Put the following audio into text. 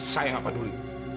saya gak peduli